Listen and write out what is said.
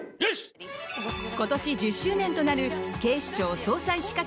今年１０周年となる「警視庁・捜査一課